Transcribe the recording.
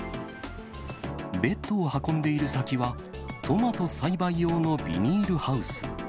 ベッドを運んでいる先は、トマト栽培用のビニールハウス。